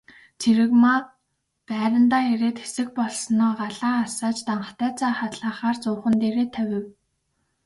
Цэрэгмаа байрандаа ирээд хэсэг болсноо галаа асааж данхтай цай халаахаар зуухан дээрээ тавив.